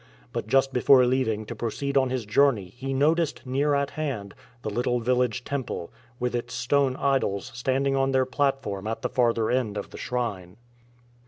But just before leaving to proceed on his journey he noticed, near at hand, the little village temple, with its stone idols standing on their platform at the farther end of the shrine.